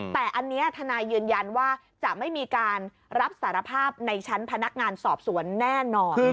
แต่อันนี้ทนายยืนยันว่าจะไม่มีการรับสารภาพในชั้นพนักงานสอบสวนแน่นอน